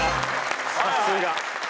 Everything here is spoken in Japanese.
さすが。